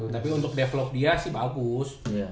tapi untuk develop dia sih bagus